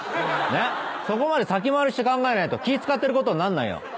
そこまで先回りして考えないと気ぃ使ってることになんないよ。